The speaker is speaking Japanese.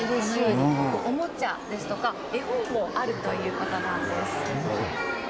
おもちゃですとか絵本もあるということなんです。